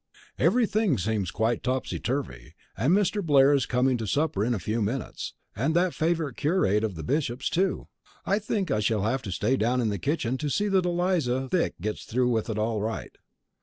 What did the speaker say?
Everything seems quite topsy turvy. And Mr. Blair is coming to supper in a few minutes, and that favourite curate of the Bishop's, too. I think I shall have to stay down in the kitchen to see that Eliza Thick gets through with it all right.